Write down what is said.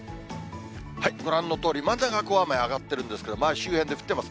ご覧のとおり、真ん中は雨が上がってるんですけれども、周辺で降ってます。